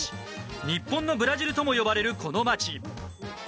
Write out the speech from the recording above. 日本のブラジルとも呼ばれるこの町。